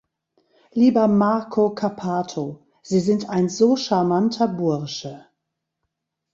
Lieber Marco Cappato, Sie sind ein so charmanter Bursche!